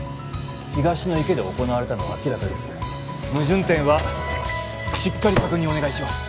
東の池で行われたのは明らかです矛盾点はしっかり確認お願いします